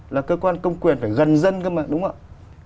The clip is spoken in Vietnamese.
là cơ quan công quyền phải gần dân cơ mà đúng không ạ